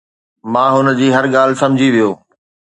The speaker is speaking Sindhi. مان هن جي هر ڳالهه سمجهي ويو